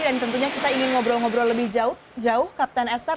dan tentunya kita ingin ngobrol ngobrol lebih jauh kapten esther